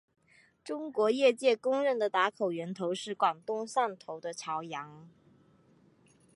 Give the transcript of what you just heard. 中国业界公认的打口源头是广东汕头的潮阳。